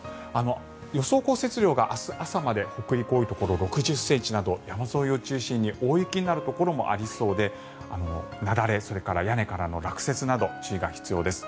予想降雪量が明日朝まで北陸多いところ６０ｃｍなど山沿いを中心に大雪になるところもありそうで雪崩、屋根からの落雪など注意が必要です。